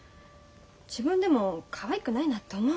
自分でもかわいくないなって思う。